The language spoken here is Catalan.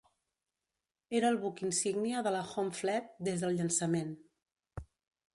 Era el buc insígnia de la Home Fleet des del llançament.